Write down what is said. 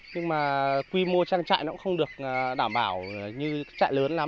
nhưng mà quy mô chăn chạy nó cũng không được đảm bảo như chạy lớn lắm